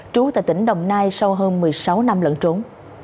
trú tại tỉnh đồng nai sau hơn một mươi sáu năm lẫn trốn